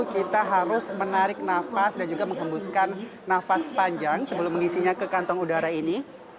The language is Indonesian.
kita harus menarik nafas dan juga menghembuskan nafas panjang sebelum mengisinya ke kantong udara ini